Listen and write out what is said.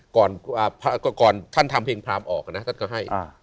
ก่อนท่านทำเพลงพรามออกนะท่านก็ให้